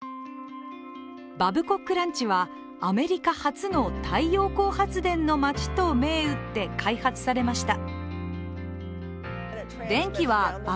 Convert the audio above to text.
バブコックランチは、アメリカ初の太陽光発電の町と銘打って開発されました。